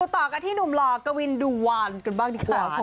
ต่อกันที่หนุ่มหล่อกวินดูวานกันบ้างดีกว่า